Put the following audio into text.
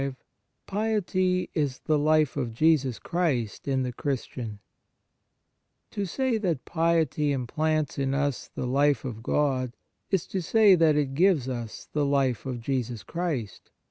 V PIETY IS THE LIFE OF JESUS CHRIST IN THE CHRISTIAN TO say that piety implants in us the life of God is to say that it gives us the life of Jesus Christ.